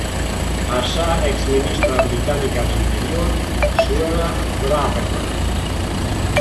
A xa exministra británica de Interior, Suella Braverman.